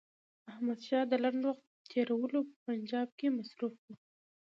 احمدشاه د لنډ وخت تېرولو په پنجاب کې مصروف وو.